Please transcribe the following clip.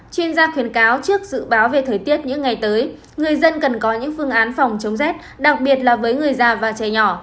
chuyên gia khuyến cáo trước dự báo về thời tiết những ngày tới người dân cần có những phương án phòng chống rét đặc biệt là với người già và trẻ nhỏ